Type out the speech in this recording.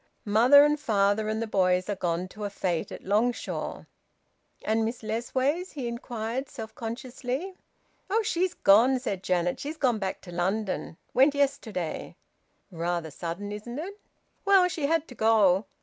Father and mother and the boys are gone to a fete at Longshaw." "And Miss Lessways?" he inquired self consciously. "Oh! She's gone," said Janet. "She's gone back to London. Went yesterday." "Rather sudden, isn't it?" "Well, she had to go."